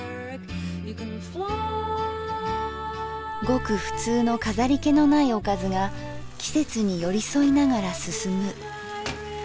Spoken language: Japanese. ごく普通の飾り気のないおかずが季節に寄り添いながら進む。